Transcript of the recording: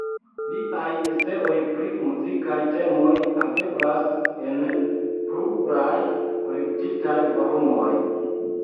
Liaj eseoj pri muzikaj temoj haveblas en pluraj kolektitaj volumoj.